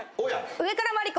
『上からマリコ』